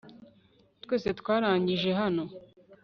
twese twarangije hano